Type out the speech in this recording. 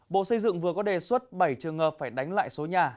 bộ xây dựng vừa có đề xuất bảy trường hợp phải đánh lại số nhà